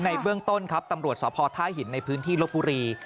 เบื้องต้นครับตำรวจสพท่าหินในพื้นที่ลบบุรี